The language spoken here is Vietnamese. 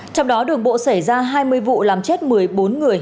trong đó đường bộ xảy ra hai mươi vụ làm chết một mươi bốn người